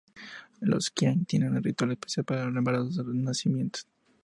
Los qiang tienen un ritual especial para los embarazos y nacimientos.